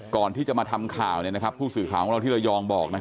ก่อนที่จะมาทำข่าวเนี่ยนะครับผู้สื่อข่าวของเราที่เรายองบอกนะครับ